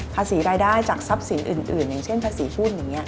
รายได้จากทรัพย์สินอื่นอย่างเช่นภาษีหุ้นอย่างนี้